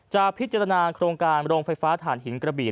จะพิจารณาโครงการโรงไฟฟ้าฐานหินกระบี่